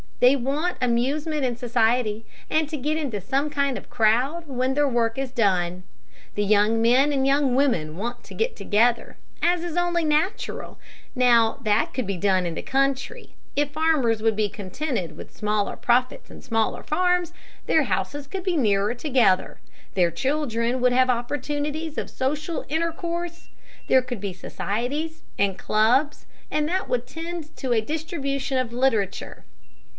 They want amusement and society, and to get into some kind of a crowd when their work is done. The young men and young women want to get together, as is only natural. Now that could be done in the country. If farmers would be contented with smaller profits and smaller farms, their houses could be nearer together. Their children would have opportunities of social intercourse, there could be societies and clubs, and that would tend to a distribution of literature.